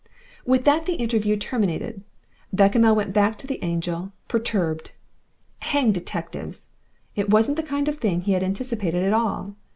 With that the interview terminated. Bechamel went back to the Angel, perturbed. "Hang detectives!" It wasn't the kind of thing he had anticipated at all.